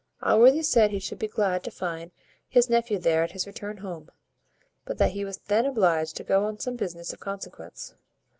Allworthy said he should be glad to find his nephew there at his return home; but that he was then obliged to go on some business of consequence.